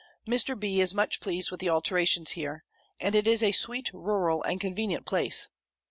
Mr. B. is much pleased with the alterations here: and it is a sweet, rural, and convenient place.